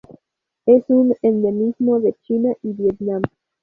Es un endemismo de China y Vietnam.